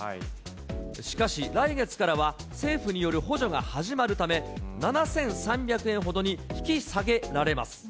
しかし、来月からは政府による補助が始まるため、７３００円ほどに引き下げられます。